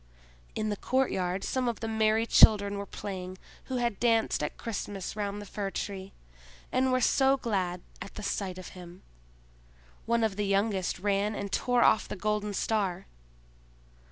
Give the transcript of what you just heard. In the courtyard some of the merry children were playing who had danced at Christmas round the Fir tree, and were so glad at the sight of him. One of the youngest ran and tore off the golden star.